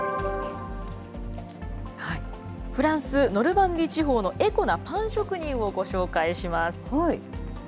フランス・ノルマンディー地方のエコなパン職人をご紹介します。